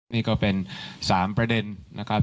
นี่ก็เป็น๓ประเด็นนะครับ